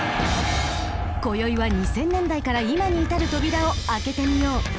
今宵は２０００年代から今に至る扉を開けてみよう。